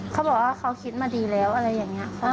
เขาบอกว่าเขาคิดมาดีแล้วอะไรอย่างนี้